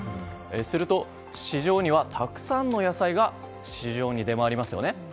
するとたくさんの野菜が市場に出回りますよね。